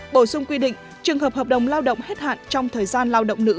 bổ sung quy định trường hợp hợp đồng lao động hết hạn trong thời gian lao động nữ